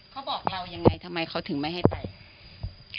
เขาบอกเรายังไงทำไมเขาถึงไม่ให้ไป